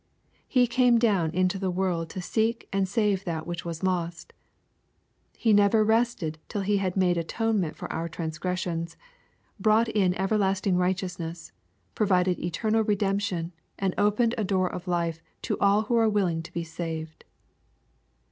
He came down into the world to seek and save that which was lost. He never rested till He had made atonement for our transgressions, brought in everlasting righteousness, provided eternal redemption, and opened a door of life to all who are willing to be saved.